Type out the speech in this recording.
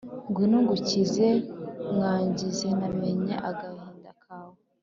Ngwino ngukize mwangizi namenye agahinda kawe